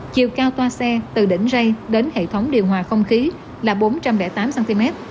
chiều cao toa xe từ đỉnh rây đến hệ thống điều hòa không khí là bốn trăm linh tám cm